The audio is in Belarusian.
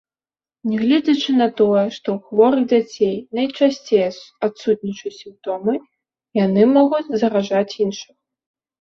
Нягледзячы на тое, што ў хворых дзяцей найчасцей адсутнічаюць сімптомы, яны могуць заражаць іншых.